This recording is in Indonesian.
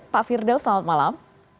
pak firdaus selamat malam